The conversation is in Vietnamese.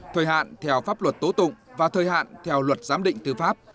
thời hạn theo pháp luật tố tụng và thời hạn theo luật giám định tư pháp